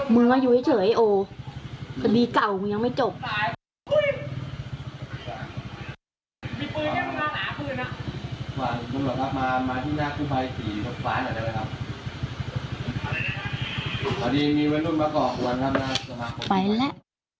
มึงก็อยู่เฉยโอคดีเก่ามึงยังไม่จบ